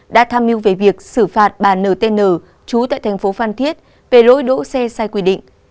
đã tham mưu về việc xử phạt bàn ntn trú tại tp phan thiết về lỗi đỗ xe sai quy định